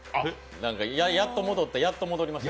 やっと戻った、やっと戻りました。